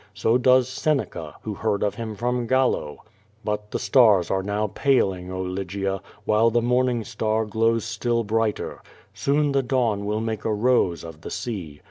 So does Seneca, who heard of him from Gallo. But the stars are now paling, oh Lygia! while the morning star glows still brighter. Soon the dawn will make a rose of the sea.